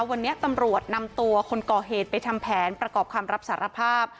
วันนี้ตำรวจนำตัวคนก่อเหตุไปทำแผนประกอบคำรับสารภาพ